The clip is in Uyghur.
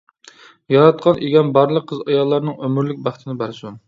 ياراتقان ئىگەم بارلىق قىز-ئاياللارنىڭ ئۆمۈرلۈك بەختىنى بەرسۇن!